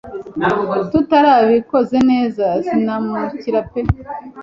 tutarabikoze neza sinamukira pe